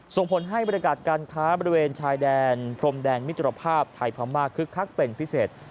ส่งผลให้บริการการค้าบริเวณชายแดนพรมแดนมิตรภาพไทยพม่าคึกคักเป็นพิเศษ